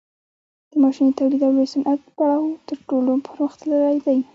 د ماشیني تولید او لوی صنعت پړاو تر ټولو پرمختللی دی